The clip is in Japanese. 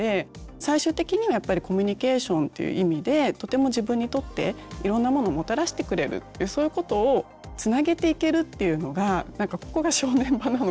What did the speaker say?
最終的にはやっぱりコミュニケーションっていう意味でとても自分にとっていろんなものをもたらしてくれるっていうそういうことをつなげていけるっていうのがここが正念場なのかなってちょっと思いました。